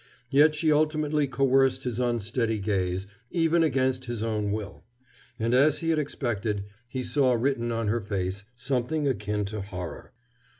Yet she ultimately coerced his unsteady gaze, even against his own will. And as he had expected, he saw written on her face something akin to horror.